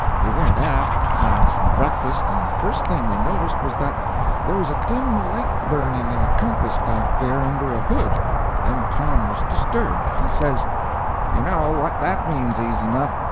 We went aft to find some breakfast, and the first thing we noticed was that there was a dim light burning in a compass back there under a hood. Then Tom was disturbed. He says: "You know what that means, easy enough.